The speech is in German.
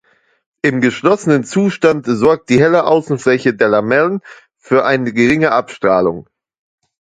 Im geschlossenen Zustand sorgt die helle Außenfläche der Lamellen für eine geringe Abstrahlung.